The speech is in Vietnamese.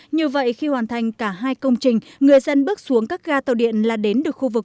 như vậy khi hoàn thành cả hai công trình người dân bước xuống các ga tàu điện là đến được khu vực